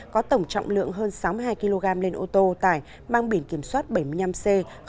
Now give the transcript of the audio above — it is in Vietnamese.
có tổng trọng lượng hơn sáu mươi hai kg lên ô tô tại mang biển kiểm soát bảy mươi năm c sáu nghìn bảy trăm một mươi sáu